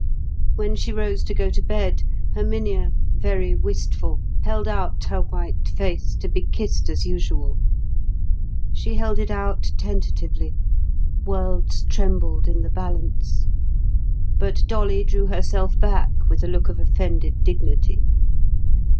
When she rose to go to bed, Herminia, very wistful, held out her white face to be kissed as usual. She held it out tentatively. Worlds trembled in the balance; but Dolly drew herself back with a look of offended dignity.